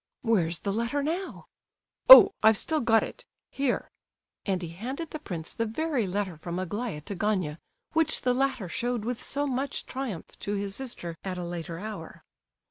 "Where's the letter now?" "Oh, I've still got it, here!" And he handed the prince the very letter from Aglaya to Gania, which the latter showed with so much triumph to his sister at a later hour.